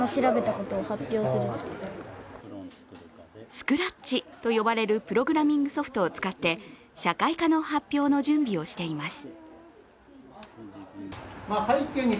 スクラッチと呼ばれるプログラミングソフトを使って社会科の発表の準備をしています。